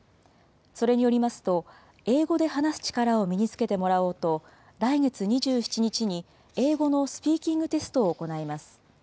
それによりますと、英語で話す力を身につけてもらおうと、来月２７日に英語のスピーキングテストを行います。